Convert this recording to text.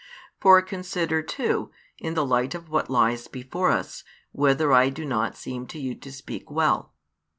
For consider, too, in the light of what lies before us, whether I do not seem to you to speak well.